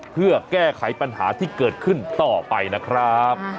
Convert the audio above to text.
เพื่อแก้ไขปัญหาที่เกิดขึ้นต่อไปนะครับ